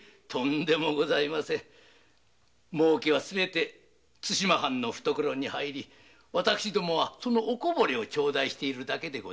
「もうけ」はすべて対馬藩の懐に入り私どもはそのオコボレを頂いているだけで。